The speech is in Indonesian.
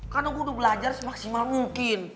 karena gue udah belajar semaksimal mungkin